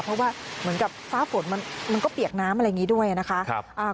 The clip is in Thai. เพราะว่าเหมือนกับฟ้าฝนมันก็เปียกน้ำอะไรอย่างนี้ด้วยนะคะ